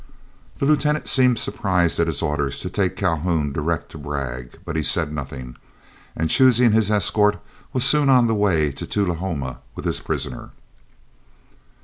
The Lieutenant seemed surprised at his orders to take Calhoun direct to Bragg, but he said nothing, and choosing his escort, was soon on the way to Tullahoma with his prisoner.